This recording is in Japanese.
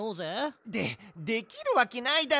でできるわけないだろ。